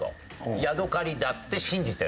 ヤドカリだって信じてる。